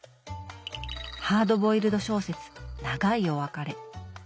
ハードボイルド小説「長いお別れ」